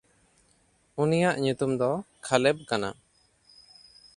ᱩᱱᱤᱭᱟᱜ ᱧᱩᱛᱩᱢ ᱫᱚ ᱠᱷᱟᱞᱮᱵ ᱠᱟᱱᱟ᱾